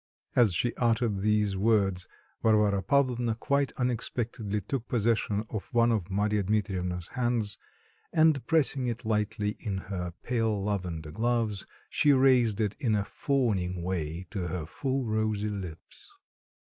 As she uttered these words Varvara Pavlovna quite unexpectedly took possession of one of Marya Dmitrievna's hands, and pressing it lightly in her pale lavender gloves, she raised it in a fawning way to her full rosy lips.